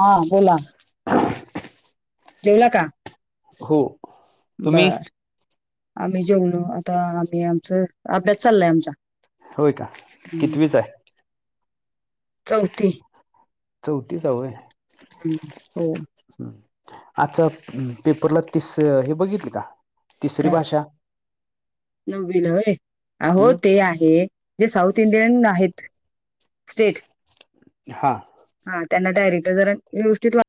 हा बोला. जेवला का हो तुम्ही? बर आम्ही जेवलो आता आम्ही आमचं अभ्यास चाललाय आमचा. होय का कितवीचा आहे? चव त्यी चौथीच हुं हो. हम्म आजचा पेपरला तीस हे बघितकी का? तिसरी काय भाषा नववीला व्हय आहो हम्म ते आहे. जे साऊथ इंडियन आहेत स्टेट. हा हा त्यांना डायरेक्टर जरा व्यवस्थित वाट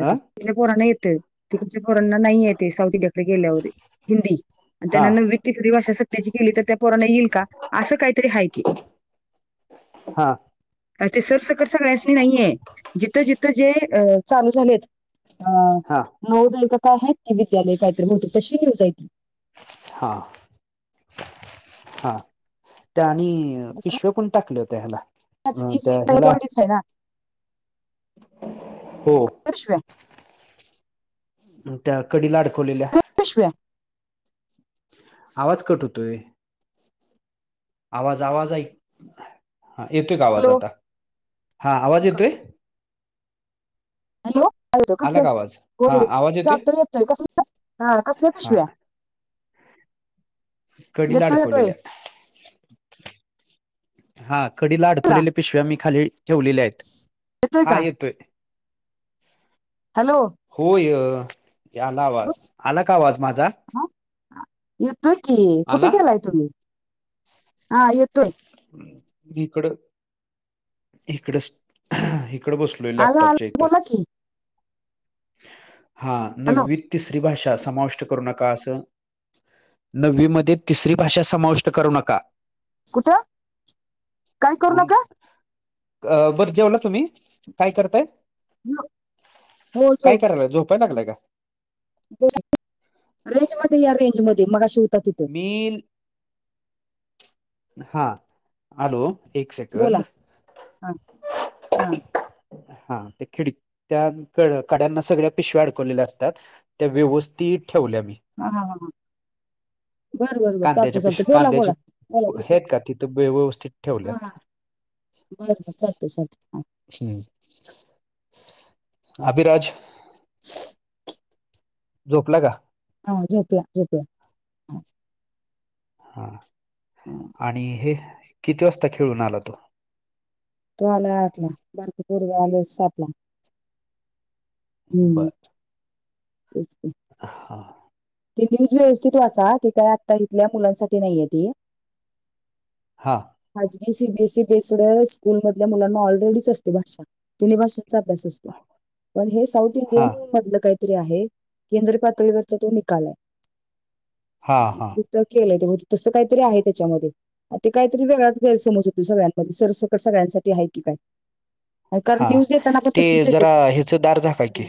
अ पोरांना येतंय तिकडच्या पोरांना नाही येते सावथ ते गेल्यावरी हिंदी आणि हा त्यांना नववीत ती भाषा सक्तीची केली तर त्या पोरांना येईल का? असं काहीतरी आहे ते. हा. अ ते सर सकट सगळ्यासनी नाहीये जिथं, जिथं जे अ चालू झालेयत. अ हा नवोदयिक काय आहेत की विद्यालय काहीतरी म्हणतो कशी न्यूज आहेती. हां. हा त्या आणि पिशव्या पण टाकल्या होत्या ह्याला. अ खाजगी त्या सेक्टर ह्याला वगैरेच आहे ना. हो. पर्श्व्या ह त्या कडीला अडकवलेल्या. पिशव्या. आवाज कट होतोय. आवाज, आवाज आई हा येतोय का आवाज हॅलो आता? हा आवाज येतोय? हॅलो हॅलो तू कस आला आहे? का आवाज हा होय. आवाज जातोय येतोय कसले हा कसल्या हा पिशव्या? कडीला येतोय येतोय अडकवलेल्या. हा कडीला का अडकवलेल्या पिशव्या मी खाली ठेवलेल्या आहेत. हा येतोय. [inaudible] हॅलो. होय ह्याला आवाज बघ, आला का आवाज माझा? हा? येतोय की कुठ आला गेलाय तुम्ही? हा येतोय. इकड इकड, इकड बसलोय आला आला लॅपटॉपच्या इथं बोला की हा हॅलो नवित तिसरी भाषा समाविष्ट करू नका असं. नववी मध्ये तिसरी भाषा समाविष्ट करू नका. कुठे काय करू म्हणून नका? बरं जेवला तुम्ही? काय करताय झो- हो जो काय करायलाय झोपाय लागलाय का? रेंज मध्ये या रेंज म मग शिव मी हा हॅलो एक बोला सेकंद हा हा हा ते खिडक्या कड्यांना सगळ्या पिशव्या अडकवलेल्या असतात. त्या व्यवस्थित ठेवल्या मी हा हा हा हा बरं बरं बरं चालत कांद्याच्या चालत पिश बोला कांद्याची बोला बोला त आहेत का तिथं व्यवस्थित ठेवल्या हा बरं बर चालतंय चालतंय हां हम्म अभिराज ह झोपला का? ह झोपला झोपला हा, हा हम आणि हे किती वाजता खेळून आला तो? तो आला आठला बारक पोरांग आले सातला बरं तेस आहे हा हा ती न्यूज व्यवस्थित वाचा ती काय आत्ता इथल्या मुलांसाठी नाहीय ती हा खाजगी सीबीएसई बस स्कूल मधल्या मुलांना ऑलरेडीच असते भाषा ति भाषा अ असतो पण हे साऊथ इंडियन हा मध काहीतरी आहें केद्र पातळीवर तो ल हा हा तु केलंय ते तसं काहीतरी आहे त्याच्यामध्ये ते कायतरी वेगळाच गैरसमज होतो सगळ्यांमध्ये सरसकट सगळ्यांसाठी आहे की काय कारण हा न्यूज देताना पण ते तशीच जरा देतात ह्याच दार झाका की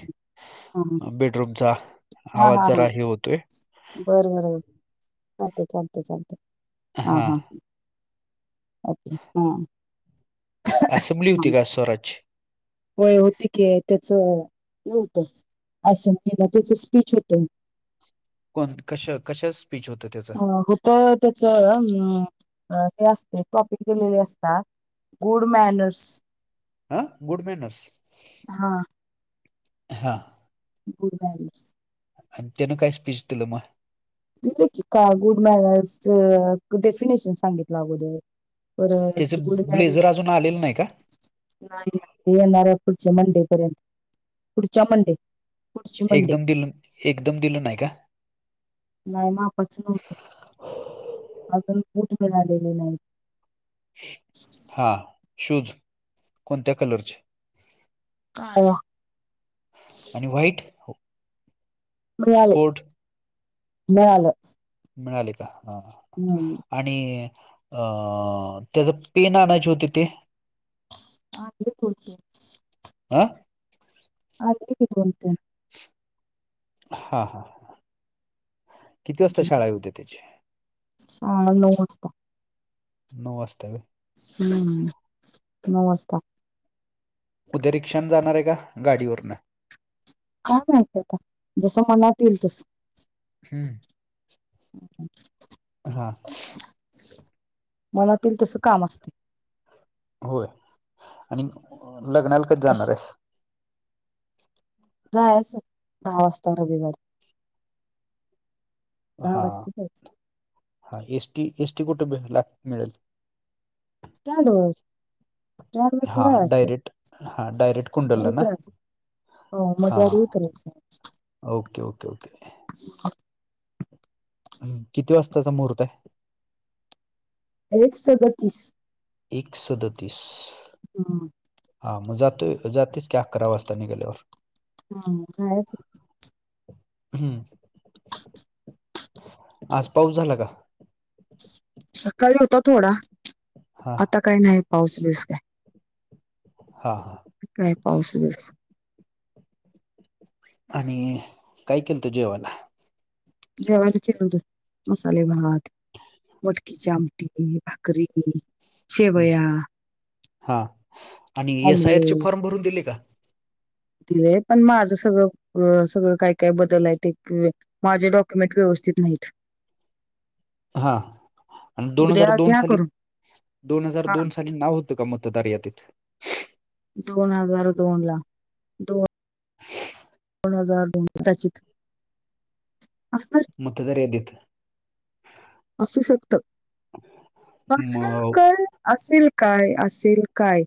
हा हा. बेडरूमचा हा आवाज हा हा जरा हे होतोय बरं बर चालते चालते चालते हा हा ओके हा असेंब्ली होती का स्वराजची? होय होती की त्याच हे होत असलेला त्याच स्पीच होतं कोण कशा कशा स्पीच होत त्याचा होत त्याच हे असते टॉपिक दिलेले असतात. गुड मॅनर्स हा गुड मेनस हा हा गुड बॅलस आणि त्यानं काय स्पीच दिलं मग त का गुड मॅनर्स च डेफिनेशन सांगितलं अगोदर परत त्याचं गुड नाही ब्लेझर अजून आलेलं नाही का नाही ते येणार पुढच्या मंडे पर्यंत पुढच्या मंडे पुढची मंडे एकदम दिलं एकदम दिलं नाही का? नाही मापच नव्हतं अजून बुठ मिळालेले नाही हा शूज कोणत्या कलरचे? काळया वाईट हो मयाळी मळाले मिळाले का हा हम् आणि अ त्याचा पेन आणायची होती ते हाे कोलत आं आणली किथोलते हा हा किती वाजता शाळा होते्या त्याची हा नऊ वाजता नमस्ते हम्म नमस्कार उद्या रिक्षा जाणार आहे का गाडीवरन काय माहीत आता जस मनात येईल तस हम्म हा मलातील तस काम असते होय आणि लग्नाला कच जाणार अश- आहेस जायच दहा वाजता रविवारी दहा हा वाजता जायचं हा एस टी एस टी कुठे ला मिळेल स्टँड वर स्टँड हा वर डायरेक्ट हा अस डायरेक्ट कुंडलला ना उतर हो हा मध्येर उतर ओके ओके ओके ह किती वाजताचा मुहूर्त आहे एक से बत्तीस एक सदतीस हम् हा मग जातो जस क करा वास्ता निघलेवर हा कायच ह आज पाऊस झाला का सकाळी होता थोडा हा आता काही नाही पाऊस दिवस का हा हा काय पाऊस वेळेस आणि काय केल तो जेवाला जेवाल खेर मसाले भात मटकीची आमटी भाकरी शेवया हा आणि एस आय आर चे ऑमलेट फॉर्म भरून दिले का पण माझं सगळं सगळं काय काय बदल आहे ते माझे डॉक्युमेंट व्यवस्थित नाहीत हा आणि दोन हजार उद्या दोन घ्या साली करून दोन हजार हा दोन साली नाव का मतदार यादीत दोन हजार दोनला कोणजार कदाचित असणार मतदार यादीत असू शकत असं मग कर असेल काय असेल काय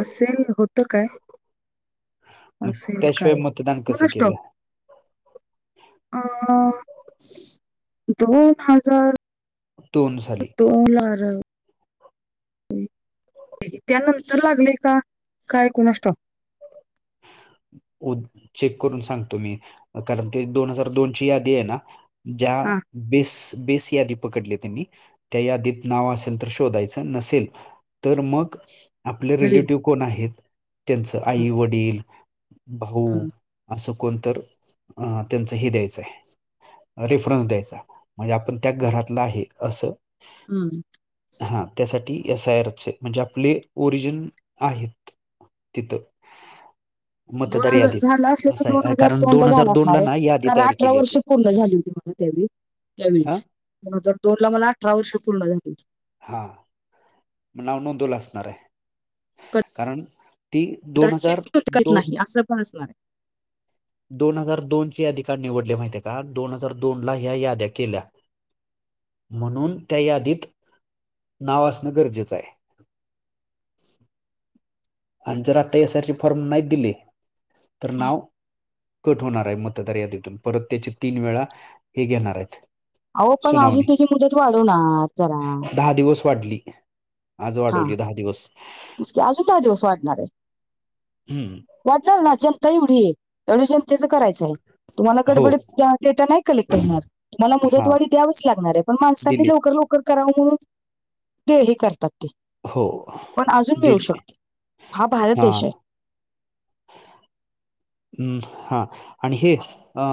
असेल होतं काय असेल त्याशिवाय काय मतदान कसं कोणस ठाऊक केलं अ दोन हजार. दोन साली तोला. त्यानंतर लागलेय का काय कण असतो. चेक करून सांगतो मी. कारण ते दोन हजार दोनची यादी आहे ना ज्या. हा बेस बेस यादी पकडली त्यांनी त्या यादीत नाव असेल तर शोधायचं नसेल. तर मग. आपले नवीन रिलेटिव कोण आहेत त्यांचं आई वडील भाऊ. हम्म. असं कोणत अं त्यांचं हे द्यायचं आहे. रेफरन्स द्यायचा म्हणजे आपण त्या घरातला आहे असं. हम्म. हा त्यासाठी एसयरफचे म्हणजे आपले ओरिजिन आहेत. कथ. दोन हजार झालं असले तर असं दोन आहे हजार कारण दोन ला हजार झाला दोनला असणारे ना यादी कारण तयार अठरा केली वर्ष होती पूर्ण झाली होती म. तेवी अ तेवीस दोन हजार दोन ला मला अठरा वर्ष पूर्ण झाली हो. हा म नाव नोंदवला असणार आहे कारण. ती दोन हजार कदाितूकत दो नाही असं पण असणार आहे. दोन हजार दोन चे याधिकार निवडले माहिती का दोन हजार दोन ला ह्या याद्या केल्या. म्हणून त्या यादीत. नाव असणं गरजेचं आहे. [inaudible] आणि जर आता यासचे फॉर्म नाही दिले तर आहे नाव. कट होणार आहे मतदार यादीतून परत त्याचे तीन वेळा हे घेणार आहेत. अहो पण अजून सुनावणी त्याची मुदत वाढवणार जरा दहा दिवस वाढली. आज हा वाढवली दहा दिवस. अजून का दिवस वाढणार आहे. हम्म. वाटणार ना जनता एवढी आहे एवढी जनतेचं करायचं आहे तुम्हाला हो कडबडीत देता नाही. कक्ट हो तुम्हाला हा मुदतवाडी द्यावीच लागणार आहे पण माणसांनी दिली लवकर लवकर. क ते ह करतात ते. हो. पण अजून मिळू दिली शकते हा भारत देश आहे. [inaudible] हम् हा आणि हे अ.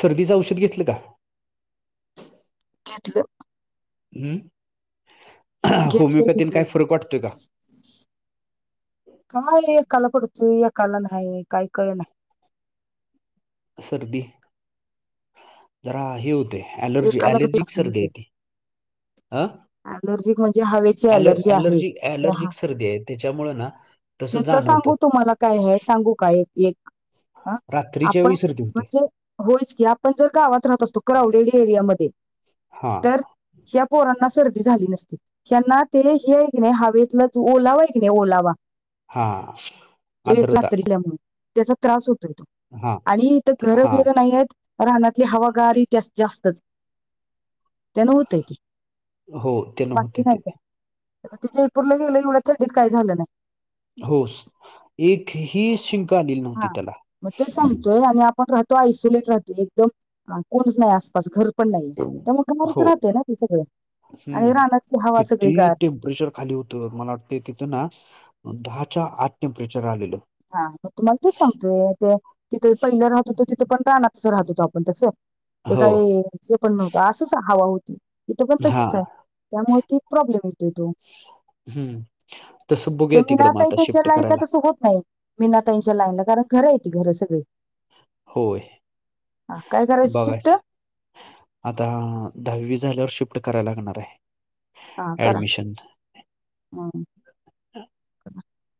सर्दीचं औषध घेतलं का. घेतलं. हम्म घेतलं होमिओपॅथीन घेतलं काय फरक वाटतोय काय? काय काला पडतो या काला नाही काही कळ नाही. सर्दी जरा हे होते. नाही अलर्जी एकाला पडतोय अलर्जी असं सर् द होतं येते अ. अलर्जिक म्हणजे हवेची अल आहे अलर्जी अलर्जिक सर्दी आहे त्याच्यामुं ना. तसं त्यांच जाणवतं सांगू तुम्हाला काय आहे सांगू काय एक. हा? रात्रीच्या आपण वसरती होते. म्हणजे होयच की आपण जर गावात राहत असतो कवलेली एरियामध्ये. हा. तर या पोरांना सर्दी झाली नसती. त्यांना ते या की नाही हवेतलंच ओलावा आहे की नाही ओला वा. हां, तू येत आ आर्द्रता. तरी त्यामुळे. त्याचा त्रास होतो य तो हां, आणि इथ ते घरं हां. बिरं नाहीय आहेत राहनातली हवागारी. जास्तच त्यांना होतय ते हो, ते बाकीकी नव्हते नाही ते. का. तर ति जयपर गेलं एवढ्या छंडीत काही झालं नाही. हो एक ह शिं. हा म ते स. आणि आपण राहतो आयसोलेट राहतो एकदम कोणच नाही आसपास घर. पण नाही त्यामुळेग घरच हो, राहते ना ते सगळ आणि राहनाची हवा सगळी गार. प्रेशर खाली होतं मला वाटतं तिथं ना दहाच्या आत टेम्परेचर आलेलं. हा मग तुम्हाला तेच सांगतोय ते तिथे पहिलं राहत होत तिथं पण रानातसं राहत होतो आपण तसं ते हो, काय हे पण नव्हतं असंच हवा होती इथं पण हां, तशीच आहे त्यामुळे ती प्रॉब्लेम येत तिथं हं. तसं ते बघूया मी ना तिकडं मग ताही आता त्यांच्या शिफ्ट लाईन ला करायला. तसं होत नाही. मीनातााईंच्या लाईनला कारण घरंय ती घरं सगळे होय, आ काय करायचं शिफ्ट बघायचं. आता दहावी झाल्यावर शिफ्ट करायला लागणार आहे. हा करा ऍडमिशन हम्म.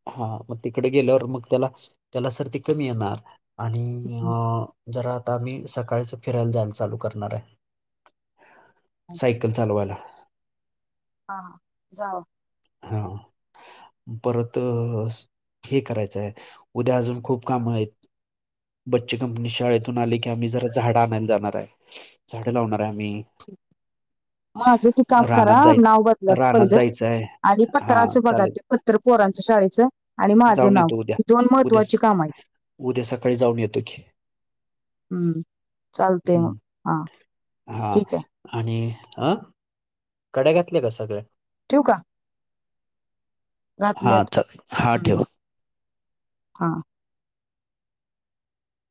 हा मग तिकड गेल्यावर मग त्याला त्याला सर्दी कमी येणार आणि हम्म. आ जरा आता आम्ही सकाळच फिरायला जायला चालू करणार आहे. हा सायकल चालवायला. हां हां जावा [unintelligible] परत हे करायचं आहे उद्या अजून खूप काम आहेत. बच्चे कंपनी शाळेतून आली की आम्ही जरा झाडं आणायला जाणार आहे. झाडे लावणार आहे आम्ही माझं ते काम करा रानात जाय नाव बदलायचं रानात पहिलं आणि जायचं आहे आणि हा पत्रराचं बघा चालेल पत्र पोरांचं शाळेचं आणि माझं जाऊन नाव येतो उद्या ही दोन उद्या महत्त्वाची स- काम आहेत. उद्या सकाळी जाऊन येतो की हम् चालतय म हम्म. हा हा ठीक ये. आणि अ कड्या घेतल्या का सगळ्या ठेवू का? हा घातलेत चाल हाट हम्म, हा.